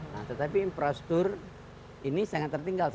nah tetapi infrastruktur ini sangat tertinggal